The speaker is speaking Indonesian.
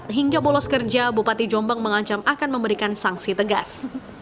hingga bolos kerja bupati jombang mengancam akan memberikan sanksi tegas